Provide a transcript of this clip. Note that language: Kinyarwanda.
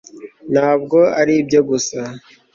ntabwo ari ibye gusa